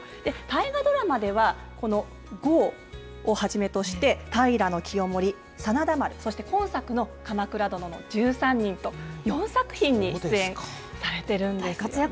大河ドラマでは、この江をはじめとして、平清盛、真田丸、そして今作の鎌倉殿の１３人と、４作品に出演されてるんです。